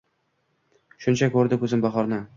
Shunda ko’rdi ko’zim bahorni